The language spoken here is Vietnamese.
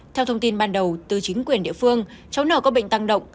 theo thông tin ban đầu từ chính quyền địa phương cháu nào có bệnh tăng động